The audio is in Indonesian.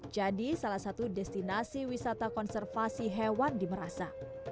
jadi salah satu destinasi wisata konservasi hewan di merasa